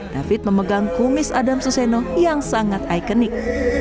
david memegang kumis adam suseno yang sangat ikonik